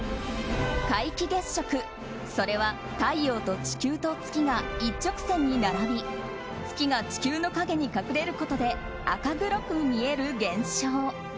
皆既月食、それは太陽と地球と月が一直線に並び月が地球の陰に隠れることで赤黒く見える現象。